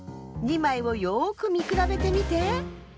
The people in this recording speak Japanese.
２まいをよくみくらべてみて。